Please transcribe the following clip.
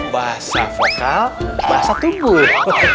bahasa vokal bahasa tubuh